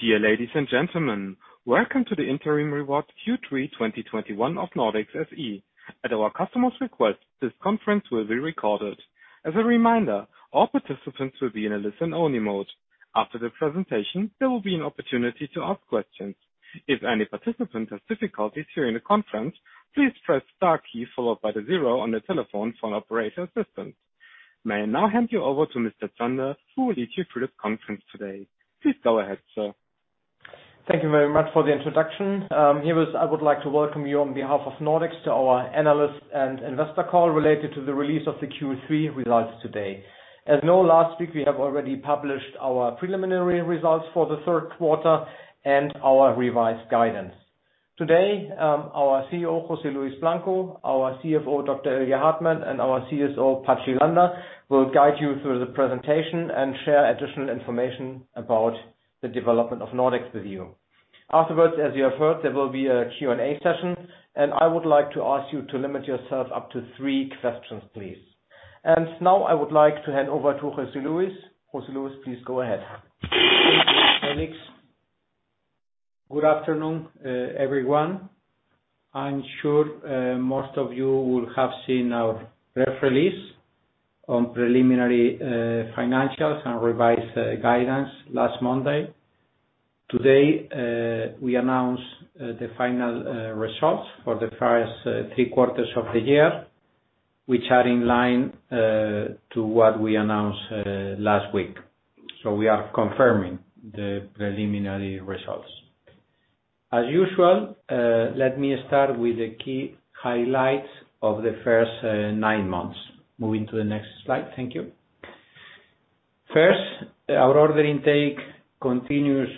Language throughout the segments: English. Dear ladies and gentlemen, welcome to the interim report Q3 2021 of Nordex SE. At our customer's request, this conference will be recorded. As a reminder, all participants will be in a listen-only mode. After the presentation, there will be an opportunity to ask questions. If any participant has difficulties hearing the conference, please press star key followed by the zero on the telephone for an operator assistant. May I now hand you over to Mr. Zander, who will lead you through this conference today. Please go ahead, sir. Thank you very much for the introduction. I would like to welcome you on behalf of Nordex to our analyst and investor call related to the release of the Q3 results today. As you know, last week, we have already published our preliminary results for the Q3 and our revised guidance. Today, our CEO, José Luis Blanco, our CFO, Dr. Ilya Hartmann, and our CSO, Patxi Landa, will guide you through the presentation and share additional information about the development of Nordex with you. Afterwards, as you have heard, there will be a Q&A session, and I would like to ask you to limit yourself up to three questions, please. Now, I would like to hand over to José Luis. José Luis, please go ahead. Thank you, Felix. Good afternoon, everyone. I'm sure most of you will have seen our press release on preliminary financials and revised guidance last Monday. Today we announce the final results for the first three quarters of the year, which are in line with what we announced last week. We are confirming the preliminary results. As usual, let me start with the key highlights of the first nine months. Moving to the next slide. Thank you. First, our order intake continues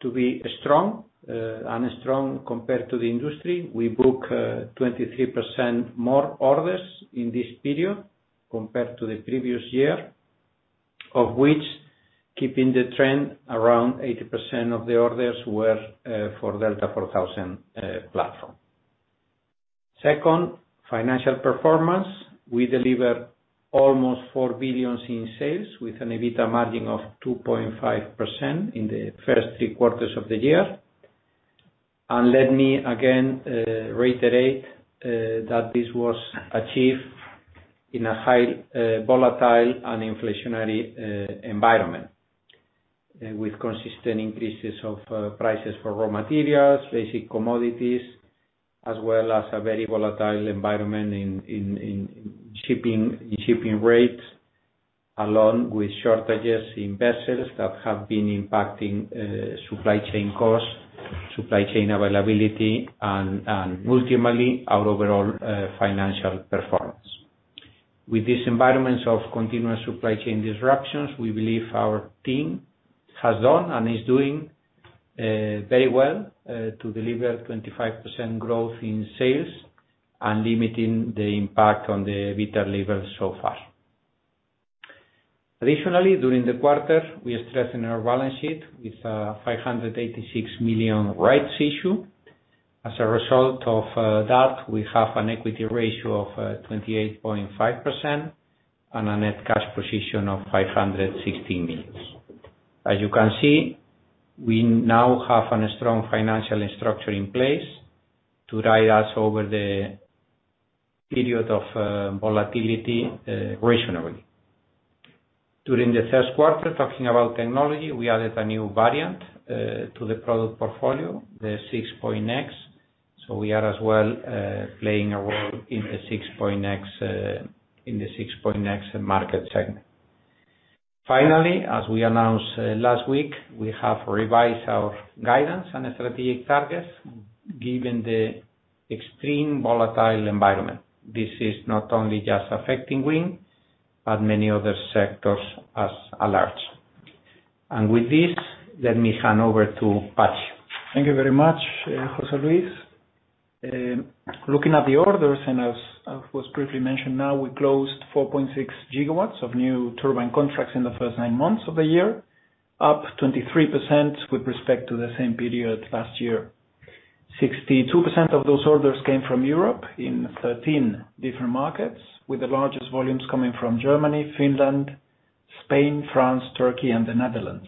to be strong and strong compared to the industry. We book 23% more orders in this period compared to the previous year, of which, keeping the trend, around 80% of the orders were for Delta4000 platform. Second, financial performance. We deliver almost 4 billion in sales with an EBITDA margin of 2.5% in the first three quarters of the year. Let me again reiterate that this was achieved in a highly volatile and inflationary environment with consistent increases of prices for raw materials, basic commodities, as well as a very volatile environment in shipping rates, along with shortages in vessels that have been impacting supply chain costs, supply chain availability and ultimately our overall financial performance. With these environments of continuous supply chain disruptions, we believe our team has done and is doing very well to deliver 25% growth in sales and limiting the impact on the EBITDA levels so far. Additionally, during the quarter, we are strengthening our balance sheet with 586 million rights issue. As a result of that, we have an equity ratio of 28.5% and a net cash position of 560 million. As you can see, we now have a strong financial structure in place to ride us over the period of volatility, rationally. During the Q1, talking about technology, we added a new variant to the product portfolio, the 6.X. We are as well playing a role in the 6.X market segment. Finally, as we announced last week, we have revised our guidance and strategic targets given the extremely volatile environment. This is not only just affecting wind, but many other sectors at large. With this, let me hand over to Patxi. Thank you very much, José Luis. Looking at the orders, as was briefly mentioned, now we closed 4.6 GW of new turbine contracts in the first nine months of the year, up 23% with respect to the same period last year. 62% of those orders came from Europe in 13 different markets, with the largest volumes coming from Germany, Finland, Spain, France, Turkey, and the Netherlands.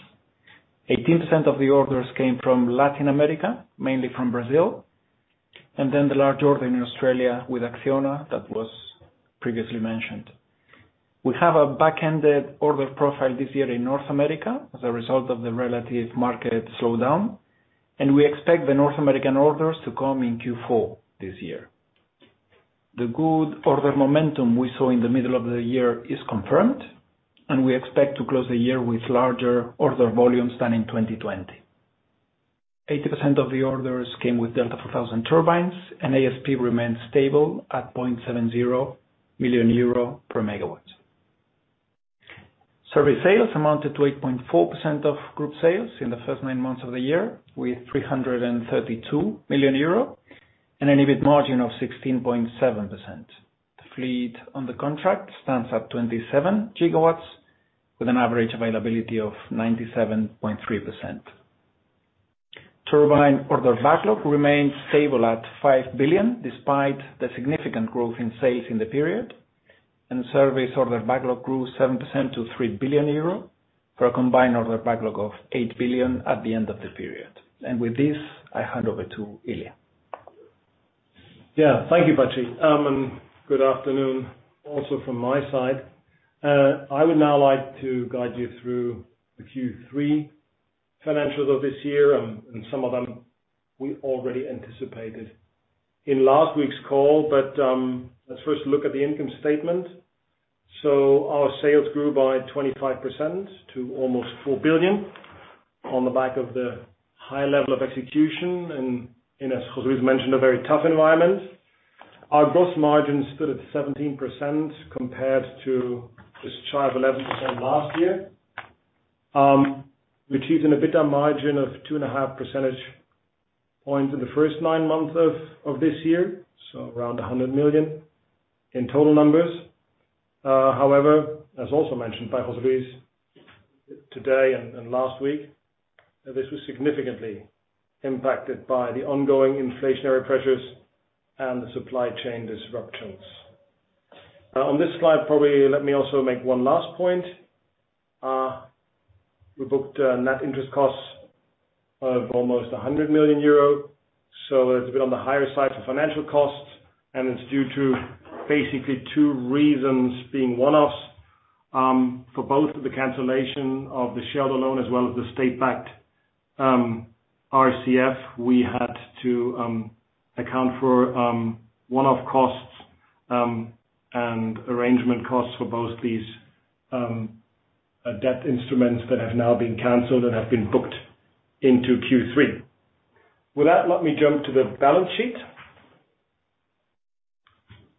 18% of the orders came from Latin America, mainly from Brazil, and then the large order in Australia with Acciona that was previously mentioned. We have a back-ended order profile this year in North America as a result of the relative market slowdown, and we expect the North American orders to come in Q4 this year. The good order momentum we saw in the middle of the year is confirmed, and we expect to close the year with larger order volumes than in 2020. 80% of the orders came with Delta4000 turbines, and ASP remains stable at 0.70 million euro per MW. Service sales amounted to 8.4% of group sales in the first nine months of the year with 332 million euro and an EBIT margin of 16.7%. The fleet on the contract stands at 27 GW with an average availability of 97.3%. Turbine order backlog remains stable at 5 billion, despite the significant growth in sales in the period. Service order backlog grew 7% to 3 billion euro for a combined order backlog of 8 billion at the end of the period. With this, I hand over to Ilya. Yeah. Thank you, Patxi. And good afternoon also from my side. I would now like to guide you through the Q3 financials of this year and some of them we already anticipated in last week's call. Let's first look at the income statement. Our sales grew by 25% to almost 4 billion on the back of the high level of execution and in, as José Luis mentioned, a very tough environment. Our gross margin stood at 17% compared to this chart of 11% last year, which is in a better margin of 2.5 percentage points in the first nine months of this year, so around 100 million in total numbers. However, as also mentioned by José Luis today and last week, this was significantly impacted by the ongoing inflationary pressures and the supply chain disruptions. On this slide, probably let me also make one last point. We booked net interest costs of almost 100 million euro, so it's a bit on the higher side for financial costs, and it's due to basically two reasons being one-offs for both the cancellation of the shareholder loan as well as the state-backed RCF. We had to account for one-off costs and arrangement costs for both these debt instruments that have now been canceled and have been booked into Q3. With that, let me jump to the balance sheet.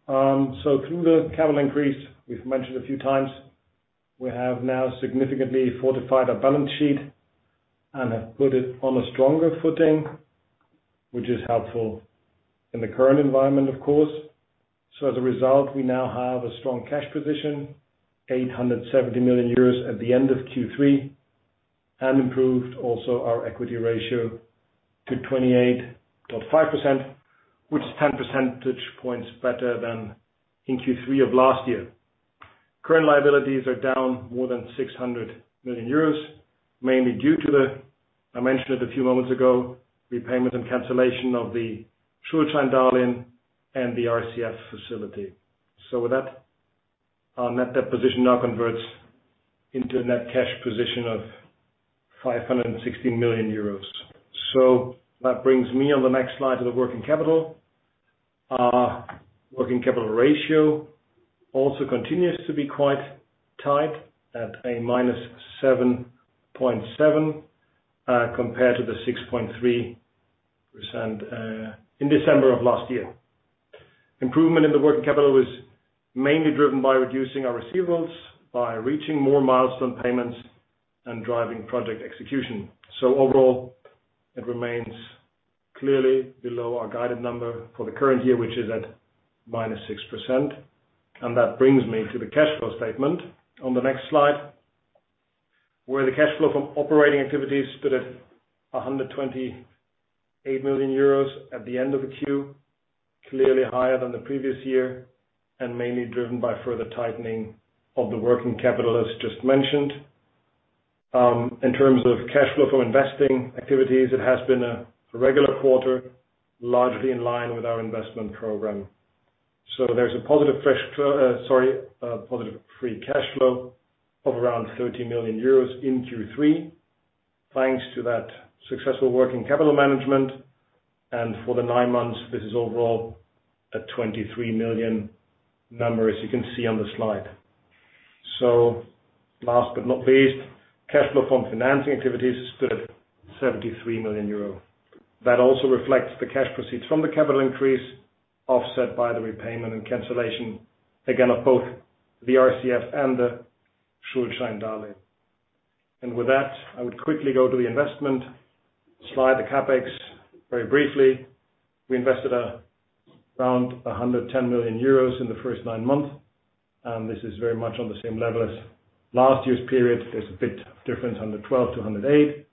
Through the capital increase, we've mentioned a few times, we have now significantly fortified our balance sheet and have put it on a stronger footing, which is helpful in the current environment, of course. As a result, we now have a strong cash position, 870 million euros at the end of Q3, and improved also our equity ratio to 28.5%, which is 10 percentage points better than in Q3 of last year. Current liabilities are down more than 600 million euros, mainly due to the, I mentioned it a few moments ago, repayment and cancellation of the Schuldscheindarlehen and the RCF facility. With that, our net debt position now converts into a net cash position of 560 million euros. That brings me on the next slide to the working capital. Working capital ratio also continues to be quite tight at -7.7%, compared to the 6.3% in December of last year. Improvement in the working capital was mainly driven by reducing our receivables, by reaching more milestone payments and driving project execution. Overall, it remains clearly below our guided number for the current year, which is at -6%. That brings me to the cash flow statement on the next slide, where the cash flow from operating activities stood at 128 million euros at the end of the Q, clearly higher than the previous year, and mainly driven by further tightening of the working capital, as just mentioned. In terms of cash flow from investing activities, it has been a regular quarter, largely in line with our investment program. There's a positive free cash flow of around 30 million euros in Q3, thanks to that successful working capital management. For the nine months, this is overall a 23 million number, as you can see on the slide. Last but not least, cash flow from financing activities stood at 73 million euro. That also reflects the cash proceeds from the capital increase, offset by the repayment and cancellation, again, of both the RCF and the Schuldscheindarlehen. With that, I would quickly go to the investment slide, the CapEx, very briefly. We invested around 110 million euros in the first nine months, and this is very much on the same level as last year's period. There's a bit difference on the 112-108,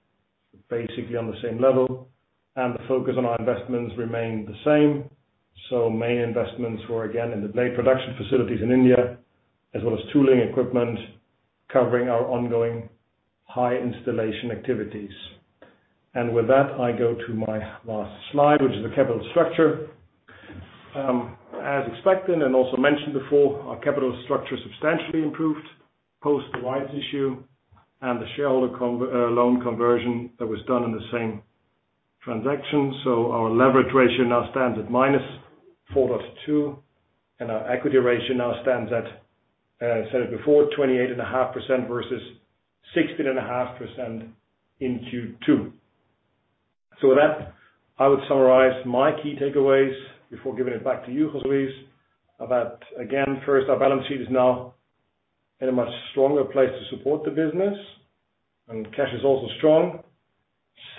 basically on the same level. The focus on our investments remained the same. Main investments were again in the blade production facilities in India, as well as tooling equipment covering our ongoing high installation activities. With that, I go to my last slide, which is the capital structure. As expected, and also mentioned before, our capital structure substantially improved post the rights issue and the shareholder loan conversion that was done in the same transaction. Our leverage ratio now stands at -4.2, and our equity ratio now stands at, I said it before, 28.5% versus 16.5% in Q2. With that, I would summarize my key takeaways before giving it back to you, José Luis. First, our balance sheet is now in a much stronger place to support the business and cash is also strong.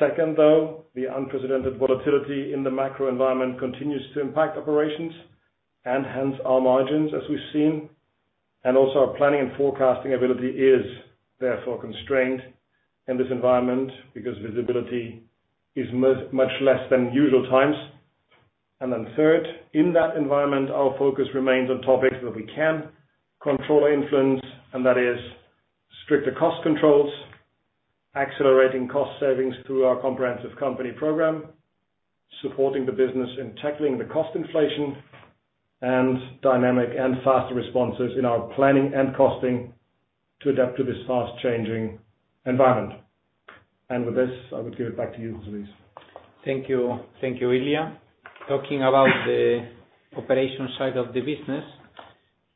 Second, though, the unprecedented volatility in the macro environment continues to impact operations and hence our margins, as we've seen. Also our planning and forecasting ability is therefore constrained in this environment because visibility is much less than usual times. Third, in that environment, our focus remains on topics that we can control or influence, and that is stricter cost controls, accelerating cost savings through our comprehensive company program, supporting the business in tackling the cost inflation, and dynamic and faster responses in our planning and costing to adapt to this fast-changing environment. With this, I will give it back to you, José Luis. Thank you. Thank you, Ilya. Talking about the operation side of the business,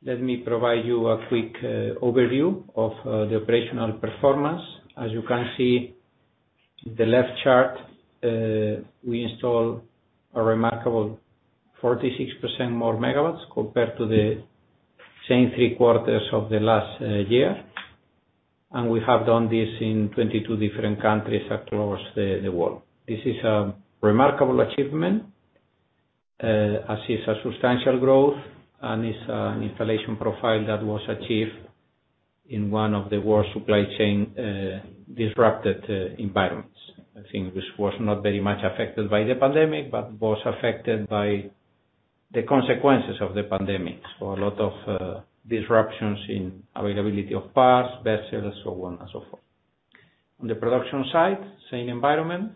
let me provide you a quick overview of the operational performance. As you can see, the left chart, we installed a remarkable 46% more MW compared to the same three quarters of the last year. We have done this in 22 different countries across the world. This is a remarkable achievement, as is a substantial growth, and is an installation profile that was achieved in one of the worst supply chain disrupted environments. I think this was not very much affected by the pandemic, but was affected by the consequences of the pandemic. A lot of disruptions in availability of parts, vessels, so on and so forth. On the production side, same environment.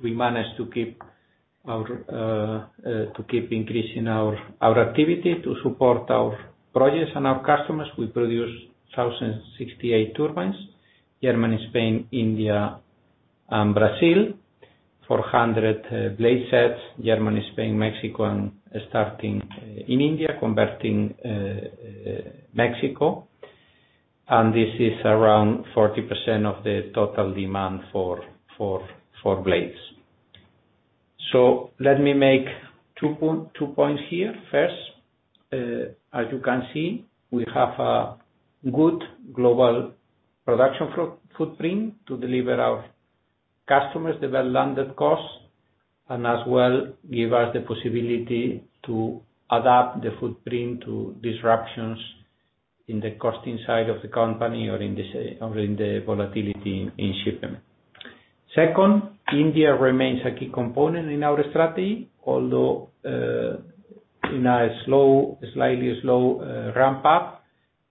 We managed to keep increasing our activity to support our projects and our customers. We produced 1,068 turbines, Germany, Spain, India, and Brazil. 400 blade sets, Germany, Spain, Mexico, and starting in India, converting Mexico. This is around 40% of the total demand for blades. Let me make two points here. First, as you can see, we have a good global production footprint to deliver our customers the well-landed cost, and as well give us the possibility to adapt the footprint to disruptions in the costing side of the company or in the volatility in shipping. Second, India remains a key component in our strategy, although in a slightly slow ramp up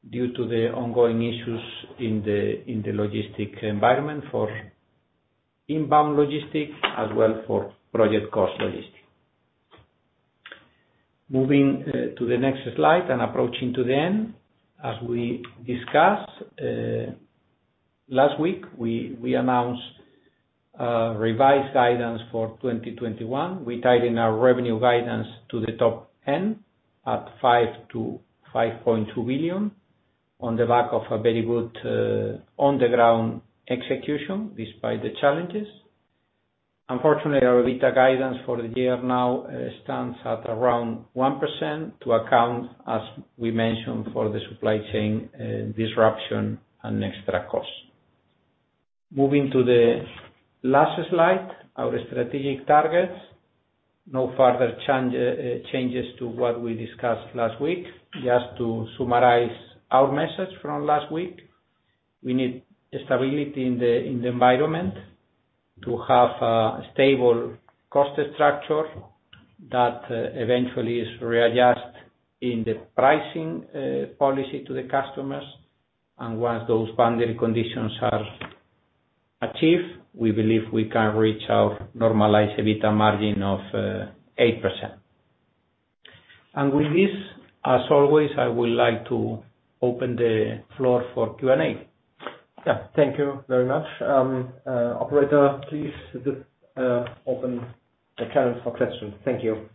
due to the ongoing issues in the logistics environment for inbound logistics as well as for project logistics. Moving to the next slide and approaching to the end. As we discussed last week, we announced revised guidance for 2021. We tightened our revenue guidance to the top end at 5 billion-5.2 billion on the back of a very good on-the-ground execution, despite the challenges. Unfortunately, our EBITDA guidance for the year now stands at around 1% to account, as we mentioned, for the supply chain disruption and extra costs. Moving to the last slide, our strategic targets. No further changes to what we discussed last week. Just to summarize our message from last week, we need stability in the environment to have a stable cost structure that eventually is readjusted in the pricing policy to the customers. Once those boundary conditions are achieved, we believe we can reach our normalized EBITDA margin of 8%. With this, as always, I would like to open the floor for Q&A. Yeah. Thank you very much. Operator, please, open the channel for questions. Thank you.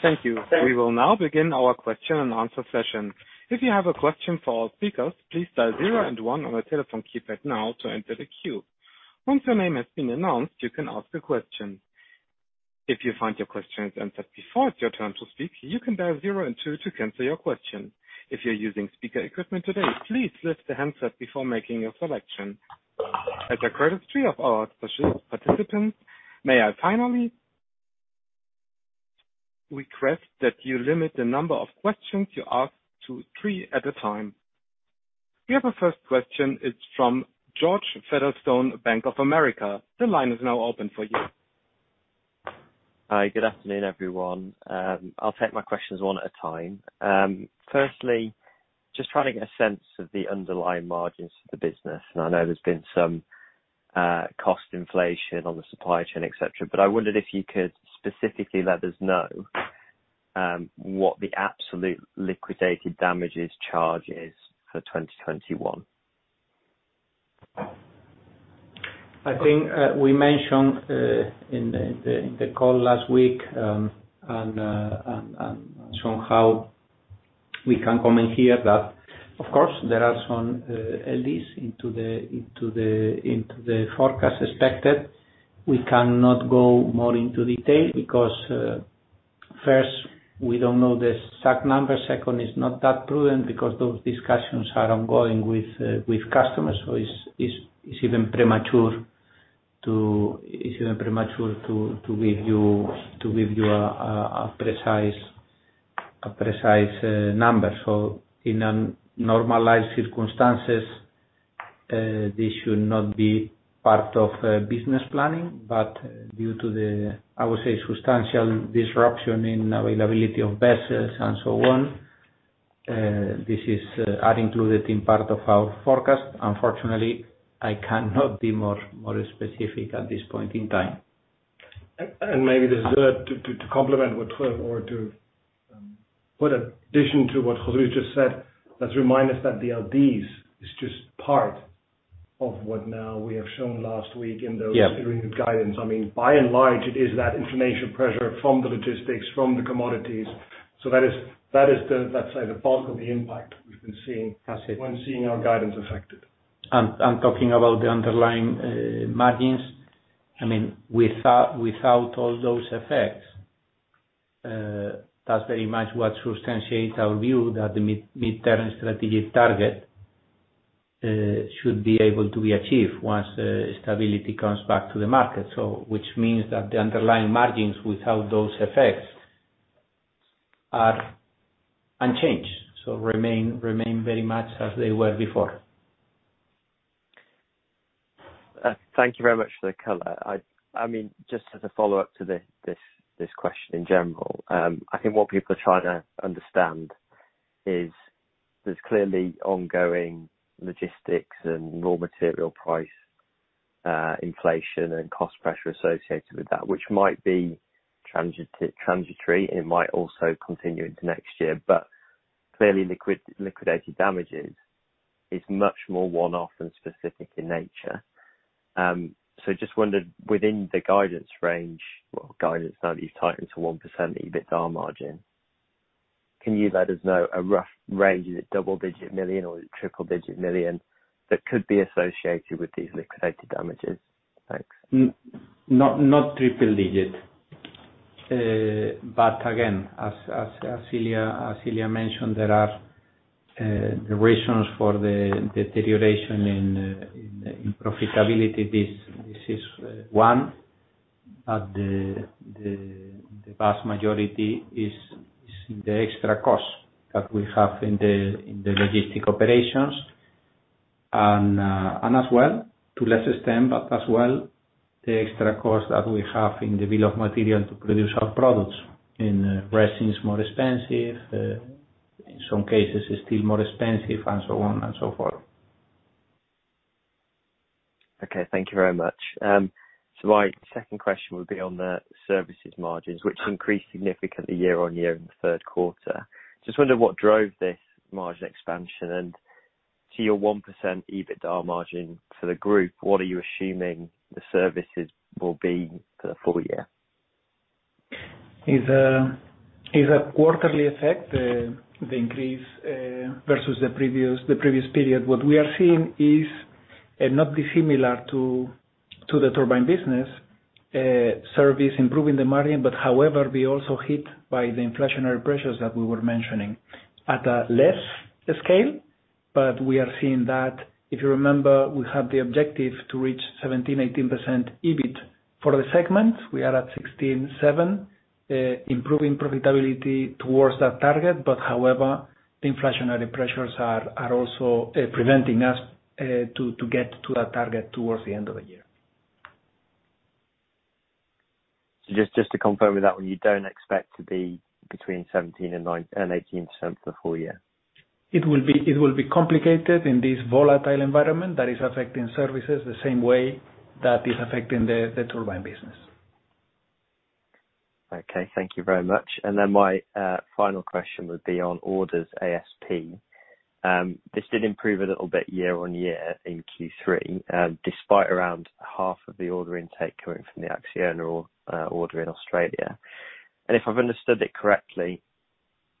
Thank you. We will now begin our question and answer session. If you have a question for our speakers, please dial zero and one on your telephone keypad now to enter the queue. Once your name has been announced, you can ask a question. If you find your question is answered before it's your turn to speak, you can dial zero and two to cancel your question. If you're using speaker equipment today, please lift the handset before making your selection. As a courtesy of our special participants, may I finally request that you limit the number of questions you ask to three at a time. We have a first question. It's from George Featherstone, Bank of America. The line is now open for you. Hi. Good afternoon, everyone. I'll take my questions one at a time. Firstly, just trying to get a sense of the underlying margins for the business. I know there's been some cost inflation on the supply chain, et cetera, but I wondered if you could specifically let us know what the absolute liquidated damages charge is for 2021. I think we mentioned in the call last week, and somehow we can comment here that, of course, there are some at least expected in the forecast. We cannot go into more detail because, first, we don't know the exact number. Second, it's not that prudent because those discussions are ongoing with customers, so it's even premature to give you a precise number. In normal circumstances, this should not be part of business planning. Due to the, I would say, substantial disruption in availability of vessels and so on, these are included as part of our forecast. Unfortunately, I cannot be more specific at this point in time. Maybe this is to complement what or to add to what José just said. Let's remind us that the LDs is just part of what now we have shown last week in those- Yeah. During the guidance, I mean, by and large, it is that inflation pressure from the logistics, from the commodities. That is, let's say, the bulk of the impact we've been seeing. That's it. When seeing our guidance affected. Talking about the underlying margins, I mean, without all those effects, that's very much what substantiates our view that the mid-term strategic target should be able to be achieved once stability comes back to the market. Which means that the underlying margins, without those effects, are unchanged, so remain very much as they were before. Thank you very much for the color. I mean, just as a follow-up to this question in general, I think what people are trying to understand is there's clearly ongoing logistics and raw material price inflation and cost pressure associated with that, which might be transitory, and it might also continue into next year. Clearly, liquidated damages is much more one-off and specific in nature. Just wondered within the guidance range or guidance now that you've tightened to 1% EBITDA margin, can you let us know a rough range? Is it double-digit million or triple-digit million that could be associated with these liquidated damages? Thanks. Not triple digit. Again, as Ilya mentioned, there are reasons for the deterioration in the profitability. This is one, but the vast majority is the extra cost that we have in the logistic operations. As well, to lesser extent, the extra cost that we have in the bill of material to produce our products. Resin is more expensive, in some cases, steel more expensive, and so on and so forth. Okay. Thank you very much. My second question would be on the services margins, which increased significantly year-over-year in the Q3. Just wondered what drove this margin expansion. To your 1% EBITDA margin for the group, what are you assuming the services will be for the full year? It is a quarterly effect, the increase versus the previous period. What we are seeing is not dissimilar to the turbine business, service improving the margin, but however, we also hit by the inflationary pressures that we were mentioning. At a less scale, but we are seeing that. If you remember, we have the objective to reach 17%-18% EBIT for the segment. We are at 16.7, improving profitability towards that target. The inflationary pressures are also preventing us to get to that target towards the end of the year. Just to confirm with that one, you don't expect to be between 17 and 19 and 18% for the full year? It will be complicated in this volatile environment that is affecting services the same way that is affecting the turbine business. Okay. Thank you very much. Then my final question would be on orders ASP. This did improve a little bit year-on-year in Q3, despite around half of the order intake coming from the Acciona order in Australia. If I've understood it correctly,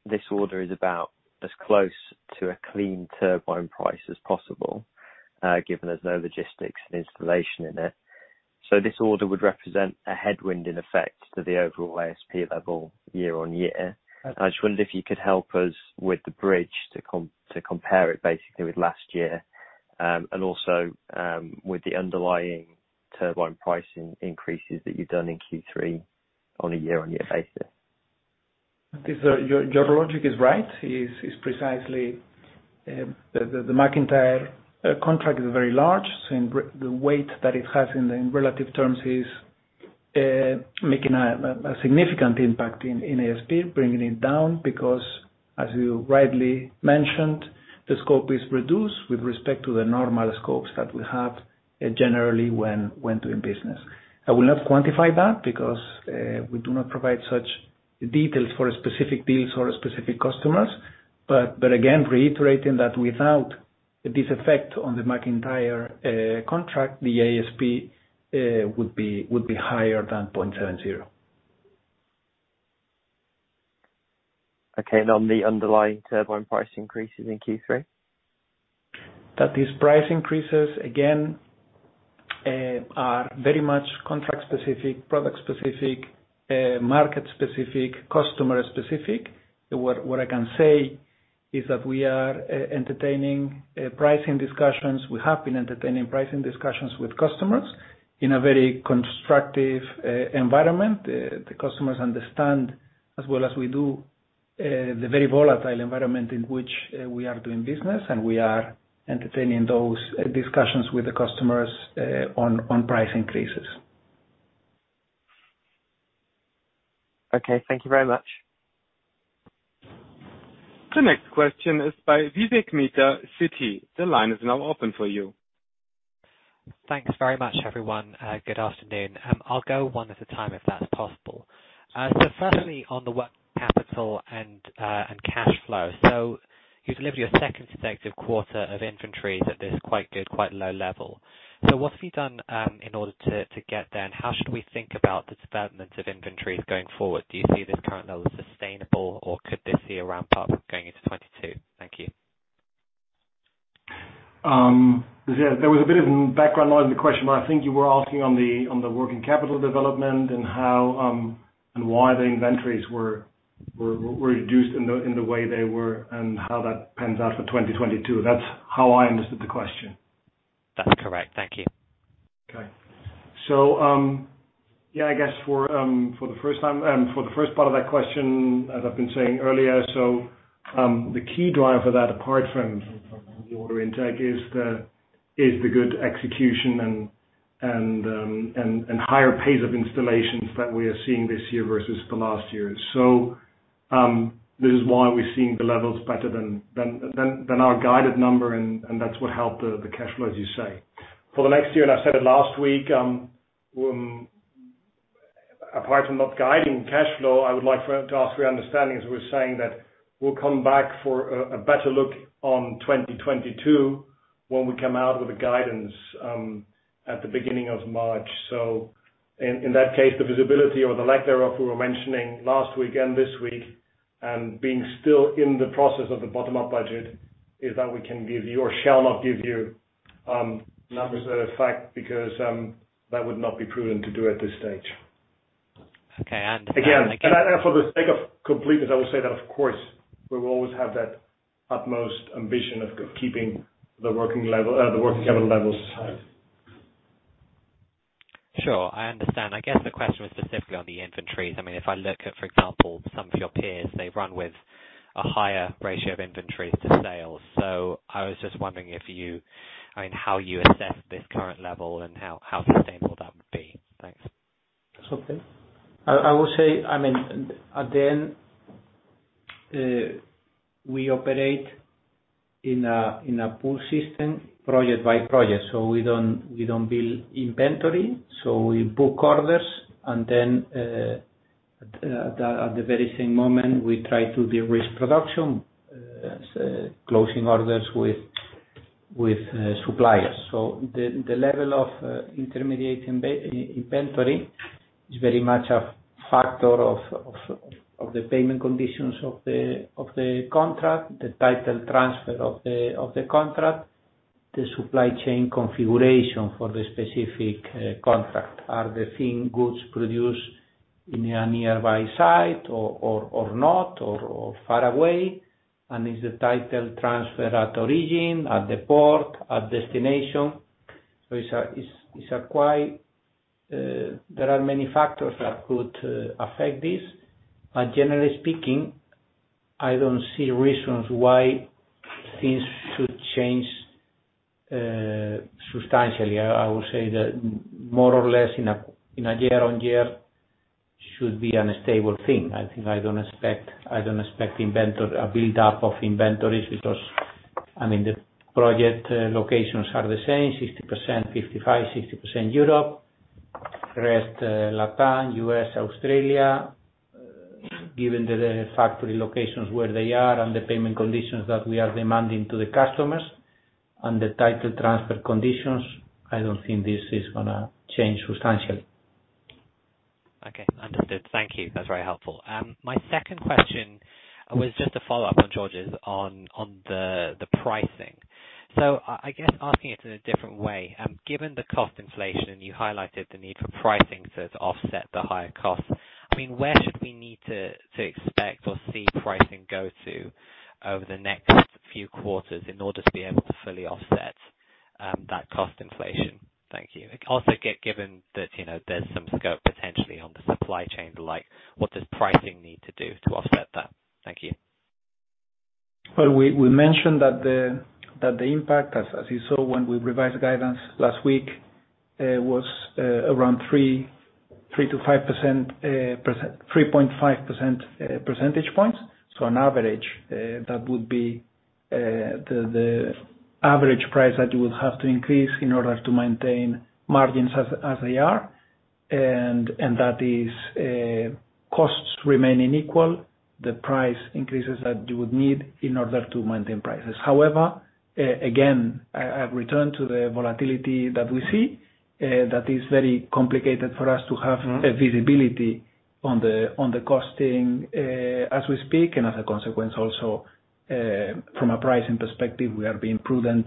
this order is about as close to a clean turbine price as possible, given there's no logistics and installation in it. This order would represent a headwind in effect to the overall ASP level year-on-year. I just wondered if you could help us with the bridge to compare it basically with last year. With the underlying turbine pricing increases that you've done in Q3 on a year-on-year basis. Your logic is right. It is precisely the McIntyre contract that is very large. The weight that it has in relative terms is making a significant impact in ASP, bringing it down because, as you rightly mentioned, the scope is reduced with respect to the normal scopes that we have generally when doing business. I will not quantify that because we do not provide such details for specific deals or specific customers. Again, reiterating that without this effect on the McIntyre contract, the ASP would be higher than 0.70. Okay. On the underlying turbine price increases in Q3? That these price increases, again, are very much contract specific, product specific, market specific, customer specific. What I can say is that we are entertaining pricing discussions. We have been entertaining pricing discussions with customers in a very constructive environment. The customers understand as well as we do the very volatile environment in which we are doing business, and we are entertaining those discussions with the customers on price increases. Okay. Thank you very much. The next question is by Vivek Midha, Citi. The line is now open for you. Thanks very much, everyone. Good afternoon. I'll go one at a time if that's possible. Firstly on the working capital and cash flow. You've delivered your second successive quarter of inventories at this quite good, quite low level. What have you done in order to get there, and how should we think about the development of inventories going forward? Do you see this current level as sustainable, or could this be a ramp-up going into 2022? Thank you. Yeah. There was a bit of background noise in the question, but I think you were asking on the working capital development and how and why the inventories were reduced in the way they were and how that pans out for 2022. That's how I understood the question. That's correct. Thank you. Okay. Yeah, I guess for the first part of that question, as I've been saying earlier, the key driver for that, apart from the order intake, is the good execution and higher pace of installations that we are seeing this year versus the last year. This is why we're seeing the levels better than our guided number, and that's what helped the cash flow, as you say. For the next year, I said it last week, apart from not guiding cash flow, I would like to ask for your understanding as we're saying that we'll come back for a better look on 2022 when we come out with the guidance at the beginning of March. In that case, the visibility or the lack thereof we were mentioning last week and this week, and being still in the process of the bottom-up budget, is that we can give you or shall not give you numbers as a fact because that would not be prudent to do at this stage. Okay. For the sake of completeness, I will say that of course we will always have that utmost ambition of keeping the working capital levels tight. Sure. I understand. I guess the question was specifically on the inventories. I mean, if I look at, for example, some of your peers, they run with a higher ratio of inventories to sales. I was just wondering if you, I mean, how you assess this current level and how sustainable that would be. Thanks. Sure thing. I will say, I mean, at the end, we operate in a pull system project by project. We don't build inventory. We book orders and then, at the very same moment, we try to de-risk production, so closing orders with suppliers. The level of intermediate inventory is very much a factor of the payment conditions of the contract, the title transfer of the contract, the supply chain configuration for the specific contract. Are the same goods produced in a nearby site or not or far away? Is the title transferred at origin, at the port, at destination? It's quite. There are many factors that could affect this. Generally speaking, I don't see reasons why things should change substantially. I would say that more or less in a year-on-year should be a stable thing. I think I don't expect a build up of inventories because, I mean, the project locations are the same, 50% 55%, 60% Europe, rest, Latin, U.S., Australia. Given the factory locations where they are and the payment conditions that we are demanding to the customers and the title transfer conditions, I don't think this is gonna change substantially. Okay. Understood. Thank you. That's very helpful. My second question was just a follow-up on George's pricing. I guess asking it in a different way, given the cost inflation, you highlighted the need for pricing to offset the higher costs. I mean, where should we need to expect or see pricing go to over the next few quarters in order to be able to fully offset that cost inflation? Thank you. Also given that, you know, there's some scope potentially on the supply chain, like, what does pricing need to do to offset that? Thank you. Well, we mentioned that the impact, as you saw when we revised the guidance last week, was around 3%-5%, 3.5% percentage points. On average, that would be the average price that you would have to increase in order to maintain margins as they are. That is, costs remaining equal, the price increases that you would need in order to maintain prices. However, again, I return to the volatility that we see, that is very complicated for us to have. Mm-hmm. We have a visibility on the costing as we speak, and as a consequence also from a pricing perspective, we are being prudent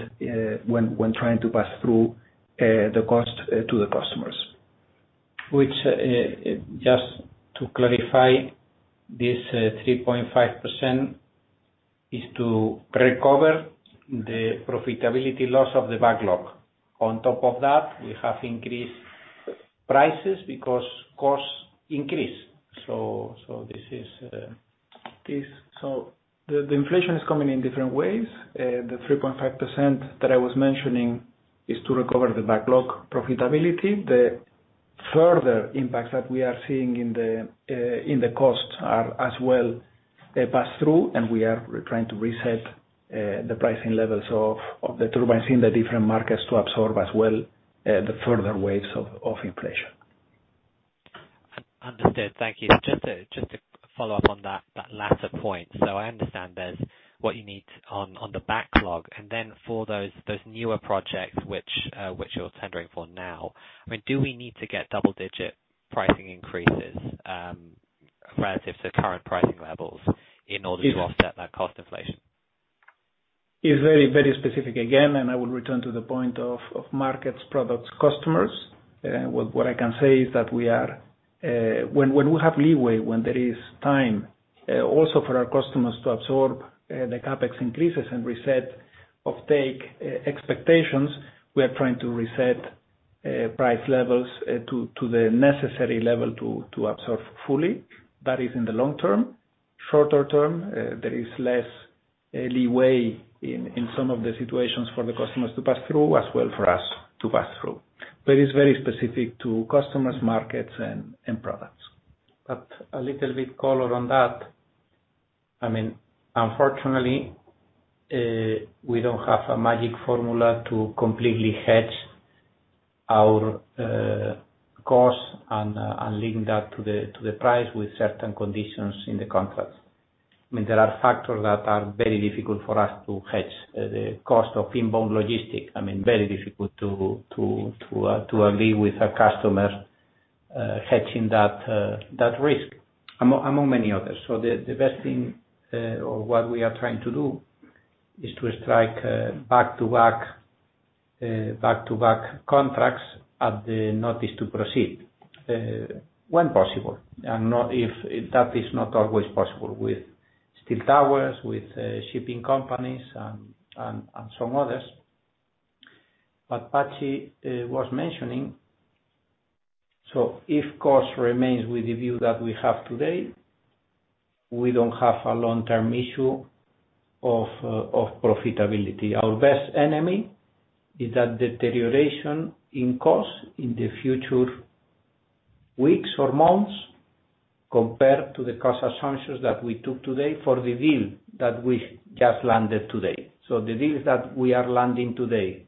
when trying to pass through the cost to the customers. Which just to clarify, this 3.5% is to recover the profitability loss of the backlog. On top of that, we have increased prices because costs increase. This is this. The inflation is coming in different ways, the 3.5% that I was mentioning is to recover the backlog profitability. The further impacts that we are seeing in the costs are as well, they pass through, and we are trying to reset the pricing levels of the turbines in the different markets to absorb as well the further waves of inflation. Understood. Thank you. Just to follow up on that latter point. I understand there's what you need on the backlog. For those newer projects which you're tendering for now, I mean, do we need to get double digit pricing increases relative to current pricing levels in order to offset that cost inflation? Is very, very specific again, and I would return to the point of markets, products, customers. What I can say is that we are, when we have leeway, when there is time, also for our customers to absorb, the CapEx increases and reset offtake expectations, we are trying to reset price levels to the necessary level to absorb fully. That is in the long term. Shorter term, there is less leeway in some of the situations for the customers to pass through, as well for us to pass through. It's very specific to customers, markets, and products. A little bit color on that. I mean, unfortunately, we don't have a magic formula to completely hedge our costs and link that to the price with certain conditions in the contracts. I mean, there are factors that are very difficult for us to hedge, the cost of inbound logistics. I mean, very difficult to agree with a customer hedging that risk, among many others. The best thing, or what we are trying to do is to strike back-to-back contracts at the notice to proceed, when possible, and not if. That is not always possible with steel towers, with shipping companies and some others. Patxi was mentioning, so if cost remains with the view that we have today, we don't have a long-term issue of profitability. Our biggest enemy is that deterioration in cost in the future weeks or months compared to the cost assumptions that we took today for the deal that we just landed today. The deals that we are landing today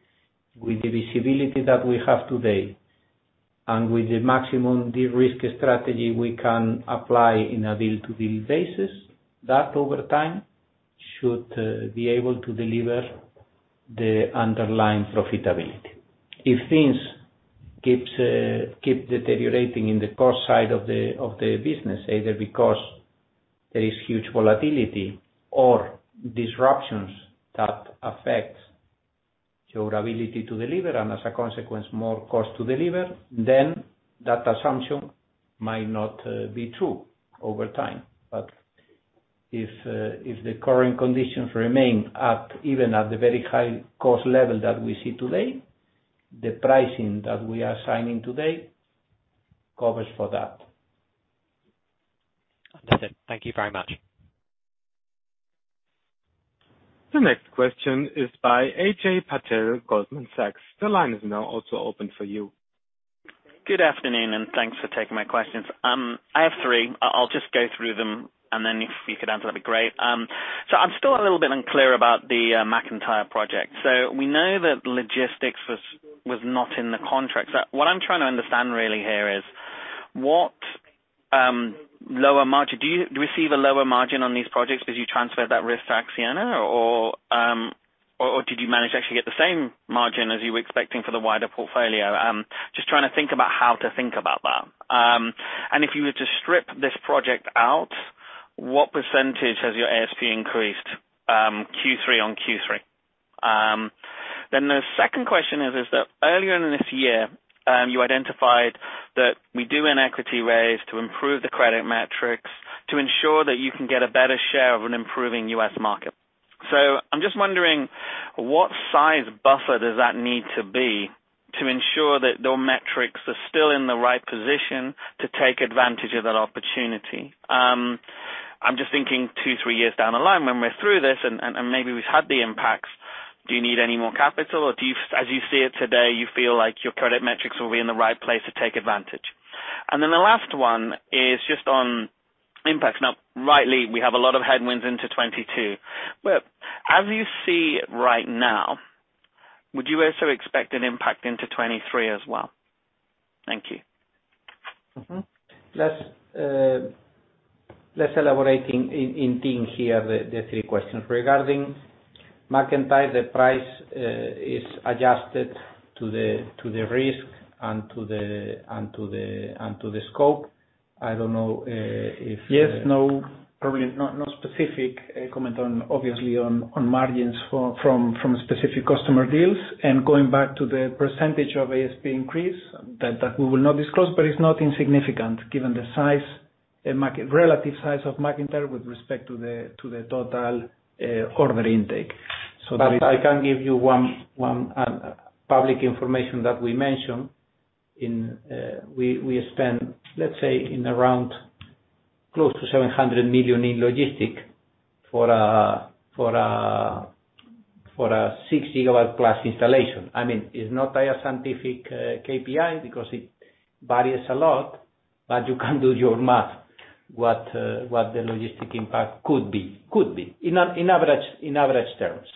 with the visibility that we have today and with the maximum de-risk strategy we can apply in a deal-to-deal basis, that over time should be able to deliver the underlying profitability. If things keep deteriorating in the cost side of the business, either because there is huge volatility or disruptions that affect your ability to deliver, and as a consequence, more cost to deliver, then that assumption might not be true over time. If the current conditions remain at even at the very high cost level that we see today, the pricing that we are signing today covers for that. Understood. Thank you very much. The next question is by Ajay Patel, Goldman Sachs. The line is now also open for you. Good afternoon, and thanks for taking my questions. I have three. I'll just go through them, and then if you could answer, that'd be great. I'm still a little bit unclear about the McIntyre project. We know that logistics was not in the contract. Do you receive a lower margin on these projects because you transferred that risk to ACCIONA or did you manage to actually get the same margin as you were expecting for the wider portfolio? Just trying to think about how to think about that. If you were to strip this project out, what percentage has your ASP increased, Q3 on Q3? The second question is that earlier in this year, you identified that we do an equity raise to improve the credit metrics to ensure that you can get a better share of an improving U.S. market. I'm just wondering what size buffer does that need to be to ensure that your metrics are still in the right position to take advantage of that opportunity. I'm just thinking two, three years down the line when we're through this and maybe we've had the impacts, do you need any more capital, or do you, as you see it today, you feel like your credit metrics will be in the right place to take advantage. The last one is just on impact. Now, rightly, we have a lot of headwinds into 2022. As you see right now, would you also expect an impact into 2023 as well? Thank you. Let's elaborate on these things here, the three questions. Regarding McIntyre, the price is adjusted to the risk and to the scope. I don't know. Yes, no, probably not specific comment on, obviously, on margins from specific customer deals. Going back to the percentage of ASP increase, that we will not disclose, but it's not insignificant given the size, the market-relative size of McIntyre with respect to the total order intake. I can give you one public information that we mentioned. We spent, let's say, around close to 700 million in logistics for a 6 GW-plus installation. I mean, it's not a scientific KPI because it varies a lot, but you can do your math, what the logistic impact could be in average terms.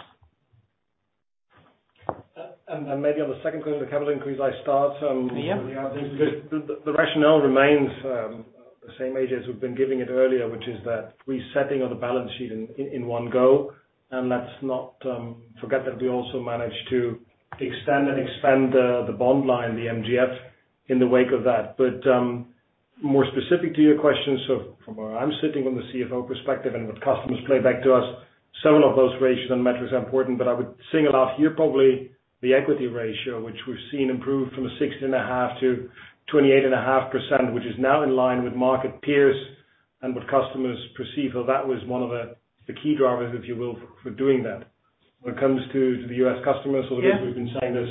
Maybe on the second point of the capital increase, I start. Yeah. The rationale remains the same as we've been giving it earlier, which is that resetting of the balance sheet in one go. Let's not forget that we also managed to extend and expand the bond line, the MGF, in the wake of that. More specific to your question, from where I'm sitting on the CFO perspective and what customers relay back to us, several of those ratios and metrics are important. I would single out here probably the equity ratio, which we've seen improve from 60.5%-28.5%, which is now in line with market peers and what customers perceive. That was one of the key drivers, if you will, for doing that. When it comes to the U.S. customers- Yeah. We've been saying this.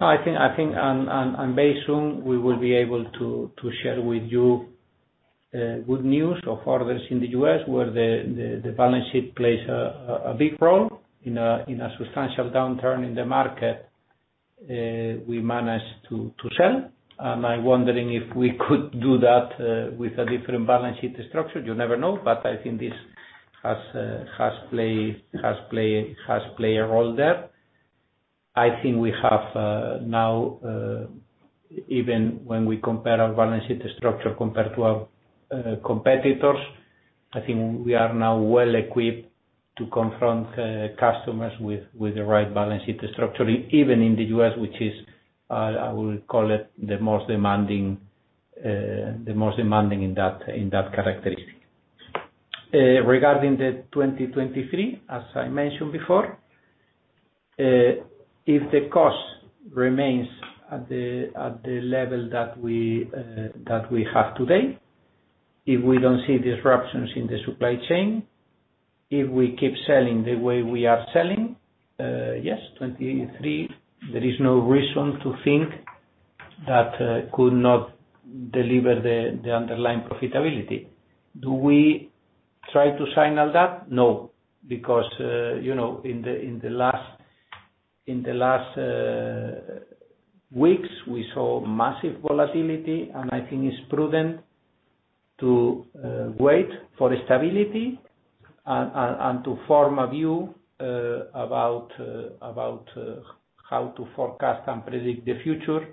No, I think on an ongoing basis, we will be able to share with you good news of orders in the U.S. where the balance sheet plays a big role in a substantial downturn in the market, we managed to sell. I'm wondering if we could do that with a different balance sheet structure. You never know, but I think this has played a role there. I think we have now even when we compare our balance sheet structure compared to our competitors, I think we are now well equipped to confront customers with the right balance sheet structure, even in the U.S., which is I will call it the most demanding in that characteristic. Regarding 2023, as I mentioned before, if the cost remains at the level that we have today, if we don't see disruptions in the supply chain, if we keep selling the way we are selling, yes, 2023, there is no reason to think that could not deliver the underlying profitability. Do we try to signal that? No. Because you know, in the last weeks, we saw massive volatility, and I think it's prudent to wait for stability and to form a view about how to forecast and predict the future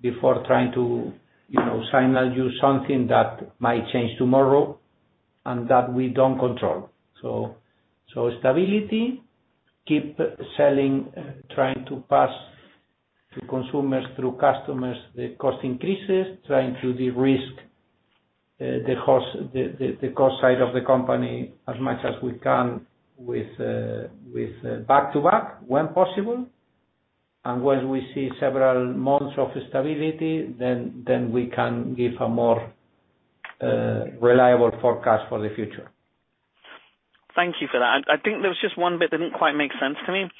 before trying to, you know, signal you something that might change tomorrow and that we don't control. Stability, keep selling, trying to pass to consumers through customers the cost increases, trying to de-risk the cost side of the company as much as we can with back-to-back when possible. Once we see several months of stability, then we can give a more reliable forecast for the future. Thank you for that. I think there was just one bit that didn't quite make sense to me.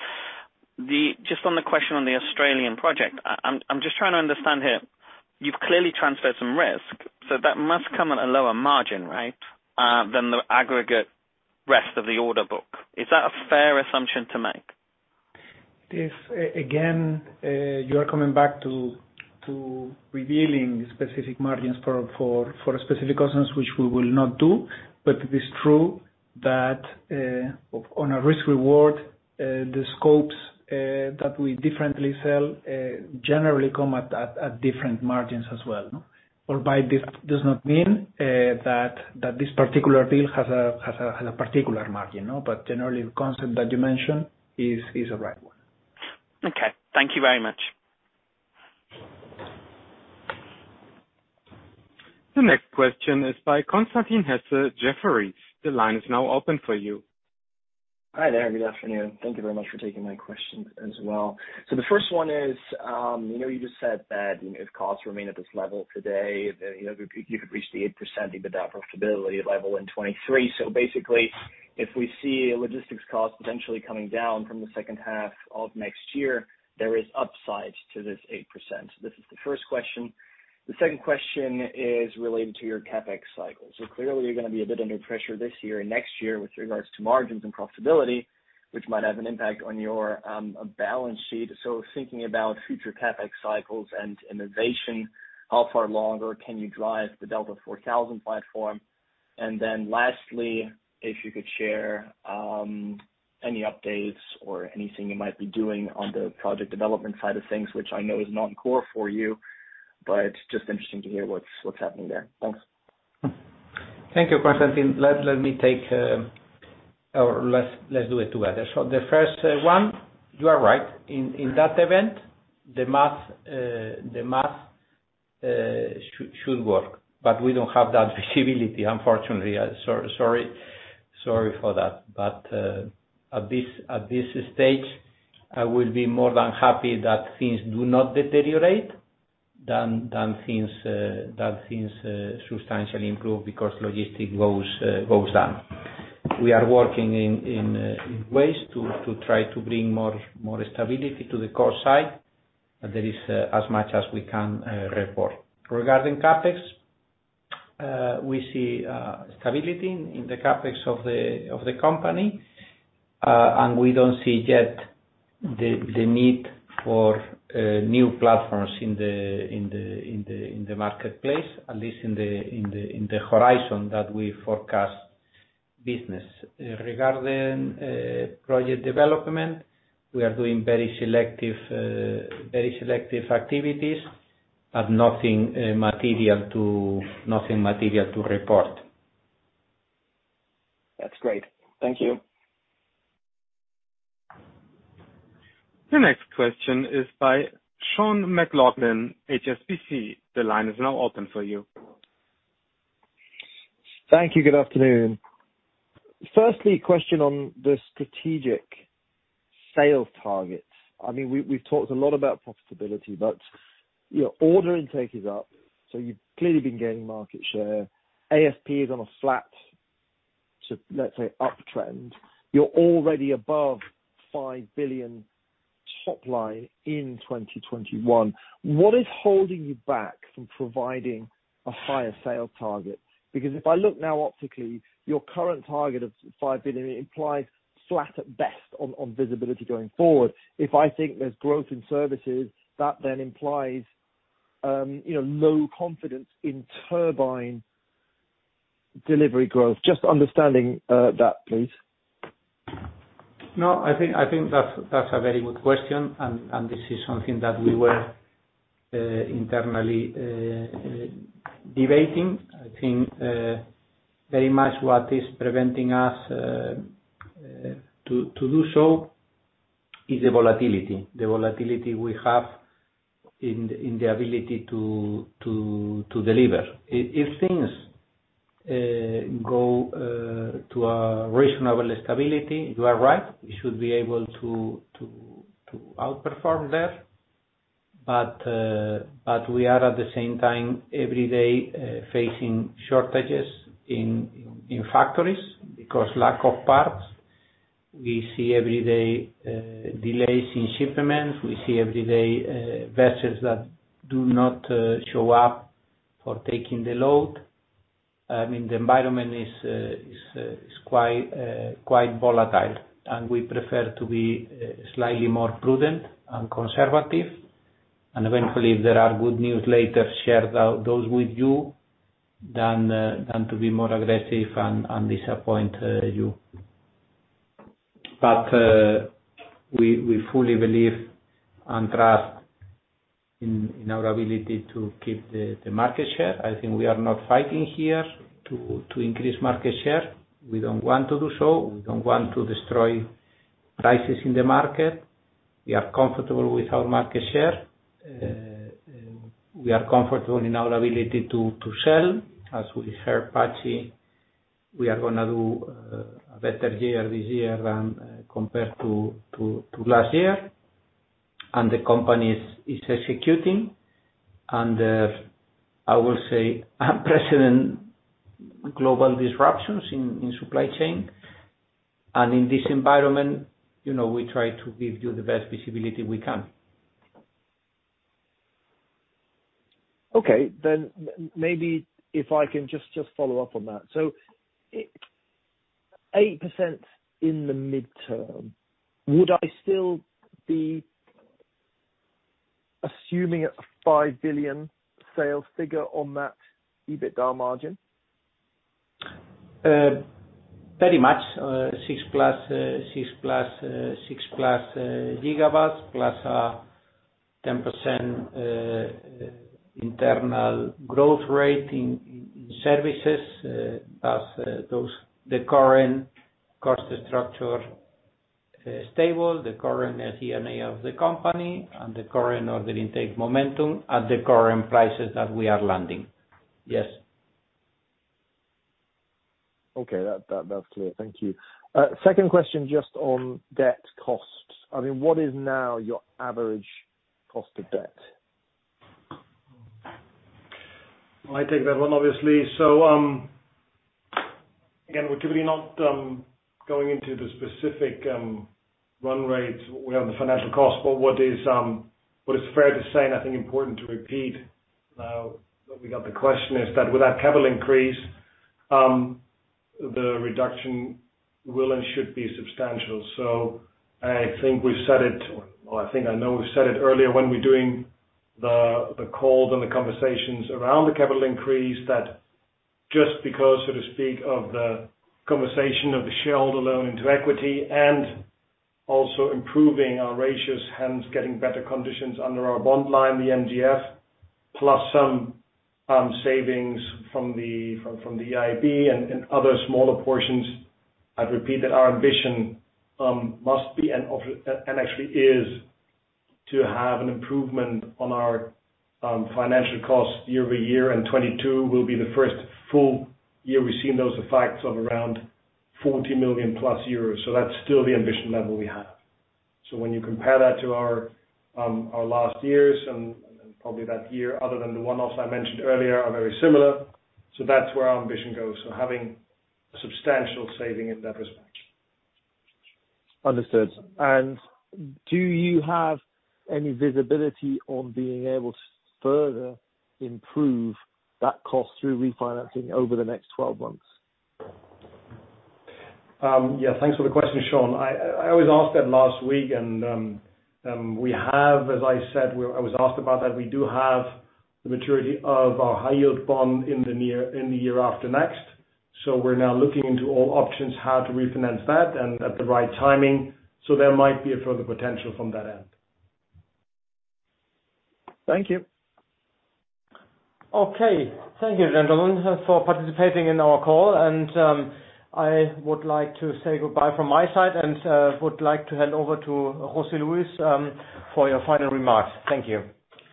Just on the question on the Australian project. I'm just trying to understand here. You've clearly transferred some risk, so that must come at a lower margin, right, than the aggregate rest of the order book. Is that a fair assumption to make? If you are coming back to revealing specific margins for specific customers, which we will not do. It is true that on a risk reward the scopes that we differently sell generally come at different margins as well. By this does not mean that this particular deal has a particular margin. Generally, the concept that you mentioned is the right one. Okay. Thank you very much. The next question is by Constantin Hesse, Jefferies. The line is now open for you. Hi there. Good afternoon. Thank you very much for taking my question as well. The first one is, you know, you just said that if costs remain at this level today, you know, you could, you could reach the 8% EBITDA profitability level in 2023. Basically, if we see logistics costs potentially coming down from the second half of next year, there is upside to this 8%. This is the first question. The second question is related to your CapEx cycle. Clearly, you're gonna be a bit under pressure this year and next year with regards to margins and profitability, which might have an impact on your, balance sheet. Thinking about future CapEx cycles and innovation, how far longer can you drive the Delta4000 platform? Lastly, if you could share any updates or anything you might be doing on the project development side of things, which I know is not core for you, but just interesting to hear what's happening there. Thanks. Thank you, Constantin. Let me take or let's do it together. The first one, you are right. In that event, the math should work, but we don't have that visibility, unfortunately. Sorry for that. At this stage, I will be more than happy that things do not deteriorate than things substantially improve because logistics goes down. We are working in ways to try to bring more stability to the cost side, and that is as much as we can report. Regarding CapEx, we see stability in the CapEx of the company. We don't see yet the need for new platforms in the marketplace, at least in the horizon that we forecast business. Regarding project development, we are doing very selective activities, but nothing material to report. That's great. Thank you. The next question is by Sean McLoughlin, HSBC. The line is now open for you. Thank you. Good afternoon. Firstly, question on the strategic sales targets. I mean, we've talked a lot about profitability, but you know, order intake is up, so you've clearly been gaining market share. ASP is on a flat, so let's say uptrend. You're already above 5 billion top line in 2021. What is holding you back from providing a higher sales target? Because if I look now optically, your current target of 5 billion implies flat at best on visibility going forward. If I think there's growth in services, that then implies you know, low confidence in turbine delivery growth. Just understanding that, please. No, I think that's a very good question, and this is something that we were internally debating. I think very much what is preventing us to do so is the volatility we have in the ability to deliver. If things go to a reasonable stability, you are right. We should be able to outperform there. We are at the same time every day facing shortages in factories because lack of parts. We see every day delays in shipments. We see every day vessels that do not show up for taking the load. I mean, the environment is quite volatile, and we prefer to be slightly more prudent and conservative. Eventually, if there are good news later, share those with you rather than to be more aggressive and disappoint you. We fully believe and trust in our ability to keep the market share. I think we are not fighting here to increase market share. We don't want to do so. We don't want to destroy prices in the market. We are comfortable with our market share. We are comfortable in our ability to sell. As we heard Patxi, we are gonna do a better year this year than compared to last year. The company is executing under, I will say, unprecedented global disruptions in supply chain. In this environment, you know, we try to give you the best visibility we can. Okay. Maybe if I can just follow up on that. Eight percent in the midterm, would I still be assuming a 5 billion sales figure on that EBITDA margin? Very much 6+ GW plus a 10% internal growth rate in services. The current cost structure stable, the current ACNA of the company, and the current order intake momentum at the current prices that we are landing. Yes. Okay. That's clear. Thank you. Second question, just on debt costs. I mean, what is now your average cost of debt? I take that one, obviously. Again, we're typically not going into the specific run rates we have for the financing cost. What is fair to say, and I think important to repeat now that we got the question is that with our capital increase, the reduction will and should be substantial. I think we've said it, or I think I know we've said it earlier when we're doing the calls and the conversations around the capital increase that just because, so to speak, of the conversion of the shareholder loan into equity and also improving our ratios, hence getting better conditions under our bond line, the MGF, plus some savings from the EIB and other smaller portions. I'd repeat that our ambition must be and actually is to have an improvement on our financial costs year-over-year, and 2022 will be the first full year we've seen those effects of around 40 million euros. That's still the ambition level we have. When you compare that to our last years and probably that year other than the one-offs I mentioned earlier, are very similar. That's where our ambition goes, so having substantial saving in that respect. Understood. Do you have any visibility on being able to further improve that cost through refinancing over the next 12 months? Yeah. Thanks for the question, Sean. I was asked that last week, and, as I said, we do have the maturity of our high yield bond in the year after next. We're now looking into all options, how to refinance that and at the right timing. There might be a further potential from that end. Thank you. Okay. Thank you, gentlemen, for participating in our call. I would like to say goodbye from my side and would like to hand over to José Luis for your final remarks. Thank you.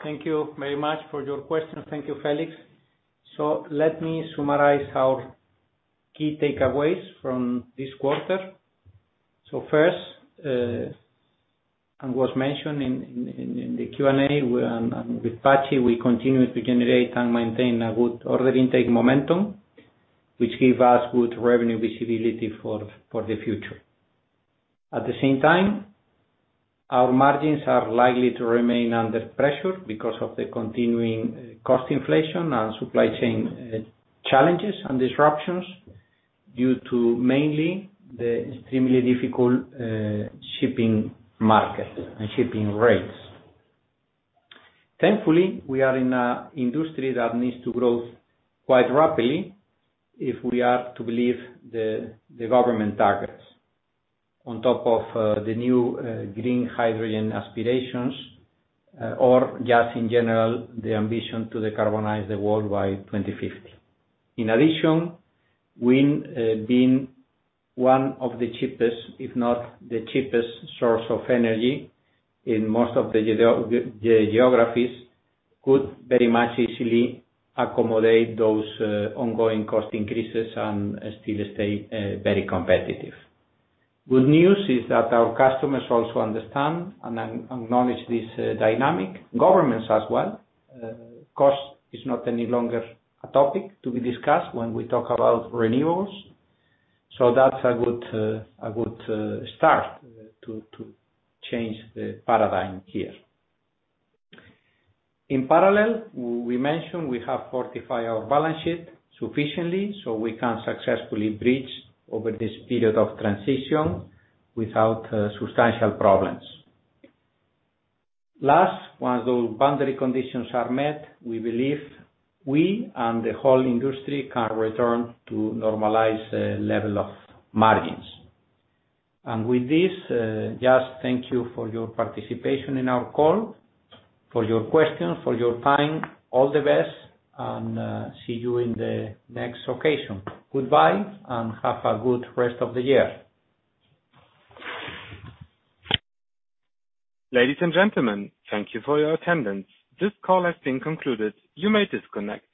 Thank you very much for your question. Thank you, Felix. Let me summarize our key takeaways from this quarter. First, as was mentioned in the Q&A, with Patxi, we continue to generate and maintain a good order intake momentum, which give us good revenue visibility for the future. At the same time, our margins are likely to remain under pressure because of the continuing cost inflation and supply chain challenges and disruptions due to mainly the extremely difficult shipping market and shipping rates. Thankfully, we are in a industry that needs to grow quite rapidly if we are to believe the government targets. On top of the new green hydrogen aspirations, or just in general, the ambition to decarbonize the world by 2050. In addition, wind being one of the cheapest, if not the cheapest source of energy in most of the geographies, could very much easily accommodate those ongoing cost increases and still stay very competitive. Good news is that our customers also understand and acknowledge this dynamic. Governments as well. Cost is not any longer a topic to be discussed when we talk about renewals. So that's a good start to change the paradigm here. In parallel, we mentioned we have fortified our balance sheet sufficiently so we can successfully bridge over this period of transition without substantial problems. Last, once those boundary conditions are met, we believe we and the whole industry can return to normalized level of margins. With this, just thank you for your participation in our call, for your questions, for your time. All the best, and see you in the next occasion. Goodbye, and have a good rest of the year. Ladies and gentlemen, thank you for your attendance. This call has been concluded. You may disconnect.